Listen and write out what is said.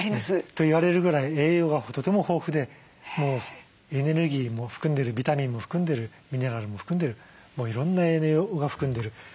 と言われるぐらい栄養がとても豊富でエネルギーも含んでるビタミンも含んでるミネラルも含んでるもういろんな栄養が含んでる。